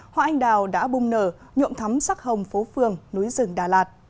hoa anh đào đã bung nở nhộm thắm sắc hồng phố phường núi rừng đà lạt